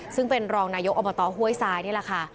ซึ่งเป็นรองนายกอบตห้วยทรายนี่แหละค่ะ